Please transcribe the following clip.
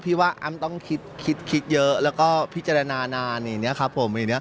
พี่ว่าอ้ำต้องคิดเยอะแล้วก็พิจารณานานอย่างนี้ครับผม